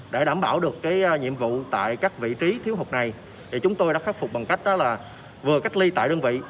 để đảm bảo được nhiệm vụ tại các vị trí thiếu hụt này thì chúng tôi đã khắc phục bằng cách là vừa cách ly tại đơn vị